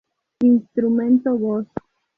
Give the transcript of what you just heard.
Instrumento voz.